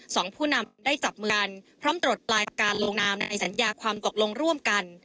ผู้นำได้จับมือกันพร้อมตรวจปลายการลงนามในสัญญาความตกลงร่วมกัน